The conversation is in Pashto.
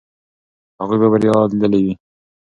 هغوی به بریا لیدلې وي.